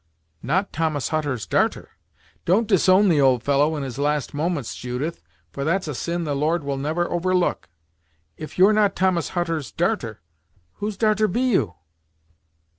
"Not Thomas Hutter's darter! Don't disown the old fellow in his last moments, Judith, for that's a sin the Lord will never overlook. If you're not Thomas Hutter's darter, whose darter be you?"